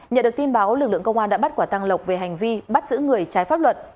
nhận được tin báo lực lượng công an đã bắt quả tăng lộc về hành vi bắt giữ người trái pháp luật